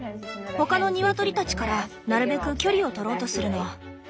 他のニワトリたちからなるべく距離を取ろうとするの。